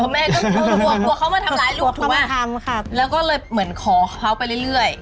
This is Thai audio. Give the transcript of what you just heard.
แม่ก็กลัวกลัวเขามาทำร้ายลูกถูกไหมแล้วก็เลยเหมือนขอเขาไปเรื่อย